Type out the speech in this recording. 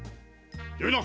よいな？